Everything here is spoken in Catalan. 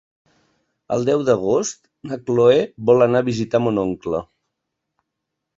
El deu d'agost na Chloé vol anar a visitar mon oncle.